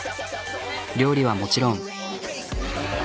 料理はもちろん。